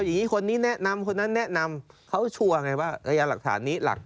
ถ้าเกิดเขามาปรึกษากับผู้หลักผู้ใหญ่